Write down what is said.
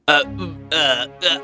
aku tidak bisa berpikir